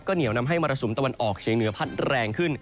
เหนียวนำให้มรสุมตะวันออกเฉียงเหนือพัดแรงขึ้น